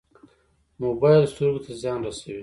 موبایل سترګو ته زیان رسوي